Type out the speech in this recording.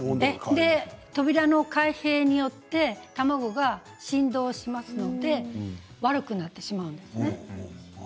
扉の開閉によって卵が振動しますので悪くなってしまうんですね。